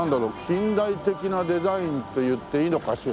近代的なデザインって言っていいのかしら？